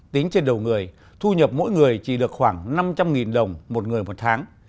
tính trên đầu người thu nhập mỗi người chỉ được khoảng năm trăm linh đồng một người một tháng